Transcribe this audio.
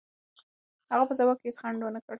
هغه په ځواب کې هېڅ ځنډ و نه کړ.